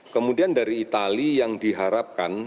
kemudian dari itali yang diharapkan saat ini untuk tidak ada penyakit